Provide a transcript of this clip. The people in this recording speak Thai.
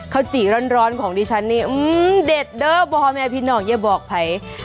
จี่ร้อนของดิฉันนี่เด็ดเด้อพ่อแม่พี่น้องอย่าบอกภัย